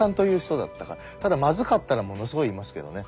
ただまずかったらものすごい言いますけどね。